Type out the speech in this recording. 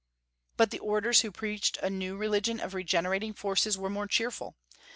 But the orators who preached a new religion of regenerating forces were more cheerful.